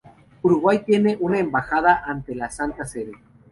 Uruguay tiene una embajada ante la Santa Sede.